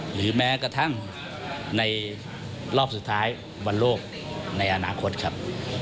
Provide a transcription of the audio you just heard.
หรือแม้กระทั่งในรอบสุดท้ายบอลโลกในอนาคตครับ